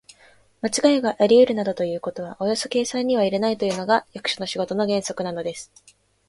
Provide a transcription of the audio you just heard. まちがいがありうるなどということはおよそ計算には入れないというのが、役所の仕事の原則なのです。